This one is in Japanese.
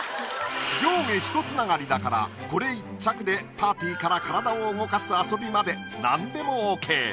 上下ひとつながりだからこれ１着でパーティーから体を動かす遊びまで何でもＯＫ。